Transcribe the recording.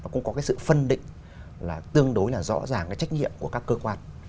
cũng có cái sự phân định là tương đối là rõ ràng cái trách nhiệm của các cơ quan